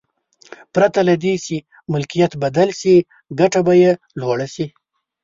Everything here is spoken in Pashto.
پرته له دې چې ملکیت بدل شي ګټه به یې لوړه شي.